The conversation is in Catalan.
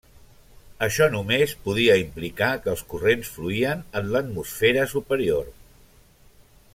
Això només podia implicar que els corrents fluïen en l'atmosfera superior.